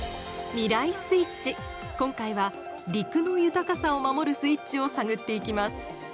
今回は「陸の豊かさを守るスイッチ」を探っていきます。